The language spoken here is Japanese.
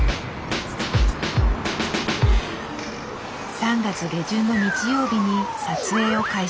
３月下旬の日曜日に撮影を開始。